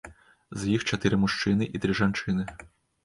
З іх чатыры мужчыны і тры жанчыны.